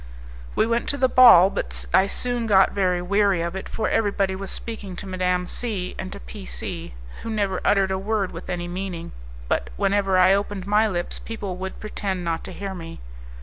We went to the ball; but I soon got very weary of it, for every body was speaking to Madame C and to P C , who never uttered a word with any meaning, but whenever I opened my lips people would pretend not to hear me.